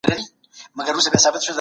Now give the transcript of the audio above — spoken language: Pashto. د کلي دې ظالم ملا سيتار مات کړئ دئ